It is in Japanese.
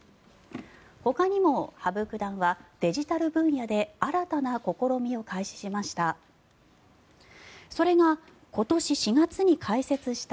ほかにも羽生九段はデジタル分野で新たな試みを開始しました。